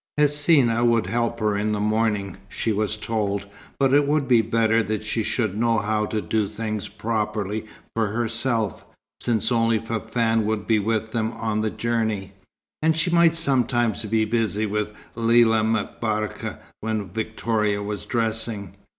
Hsina would help her in the morning, she was told, but it would be better that she should know how to do things properly for herself, since only Fafann would be with them on the journey, and she might sometimes be busy with Lella M'Barka when Victoria was dressing.